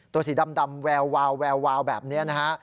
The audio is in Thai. ตัวสีดำแววแบบนี้นะฮะ